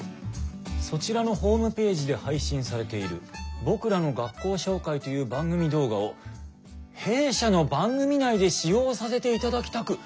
「そちらのホームページで配信されている『僕らの学校紹介』という番組動画を弊社の番組内で使用させていただきたく」。